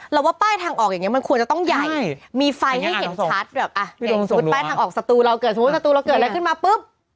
ว่าป้ายทางออกอย่างนี้มันควรจะต้องใหญ่มีไฟให้เห็นชัดแบบอ่ะอย่างสมมุติป้ายทางออกสตูเราเกิดสมมุติประตูเราเกิดอะไรขึ้นมาปุ๊บ